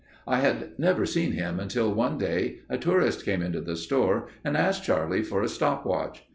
I had never seen him until one day a tourist came into the store and asked Charlie for a stop watch.